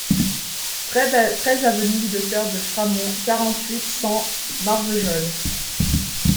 treize avenue du Docteur de Framond, quarante-huit, cent, Marvejols